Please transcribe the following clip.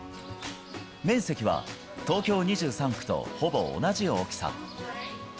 面積は東京２３区とほぼ同じ大きさ。